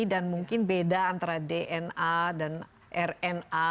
dan mungkin beda antara dna dan rna